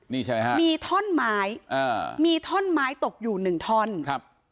นี่ใช่ไหมฮะมีท่อนไม้อ่ามีท่อนไม้ตกอยู่หนึ่งท่อนครับ